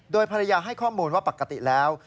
โดยภรรยาให้ข้อมูลว่าปกติแล้ว